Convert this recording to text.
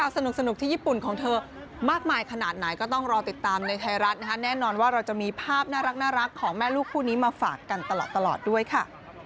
สนุกที่ญี่ปุ่นของเธอมากมายขนาดไหนก็ต้องรอติดตามในไทยรัฐนะคะแน่นอนว่าเราจะมีภาพน่ารักของแม่ลูกคู่นี้มาฝากกันตลอดด้วยค่ะ